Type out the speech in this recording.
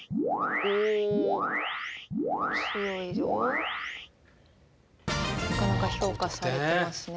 なかなか評価されてますね。